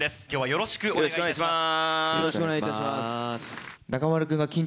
よろしくお願いします。